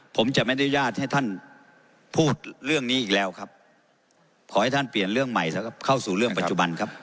ผมจะไม่อนุญาตให้ท่านพูดเรื่องนี้อีกแล้วครับขอให้ท่านเปลี่ยนเรื่องใหม่แล้วก็เข้าสู่เรื่องปัจจุบันครับ